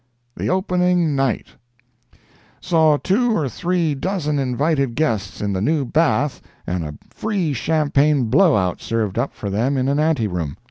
THE OPENING NIGHT Saw two or three dozen invited guests in the new bath and a free champagne blow out served up for them in an ante room.